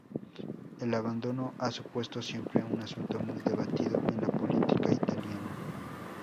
El abandono ha supuesto siempre un asunto muy debatido en la política italiana.